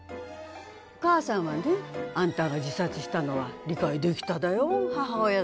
お母さんはねあんたが自殺したのは理解できただよ母親だで。